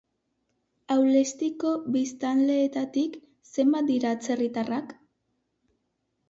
Aulestiko biztanleetatik zenbat dira atzerritarrak?